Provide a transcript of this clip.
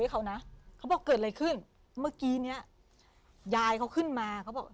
เขานะเขาบอกเกิดอะไรขึ้นเมื่อกี้เนี้ยยายเขาขึ้นมาเขาบอก